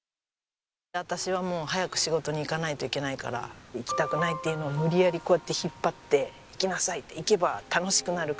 私はもう早く仕事に行かないといけないから「行きたくない」っていうのを無理やりこうやって引っ張って行きなさいって行けば楽しくなるから。